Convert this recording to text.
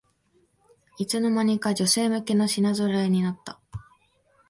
いつの間にか女性向けの品ぞろえになった